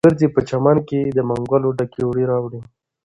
ګرځې په چمن کې، منګول ډکه وړې د ګلو